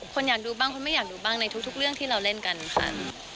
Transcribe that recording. คนอยากดูบ้างคนไม่อยากดูบ้างในทุกเรื่องที่เราเล่นกันค่ะ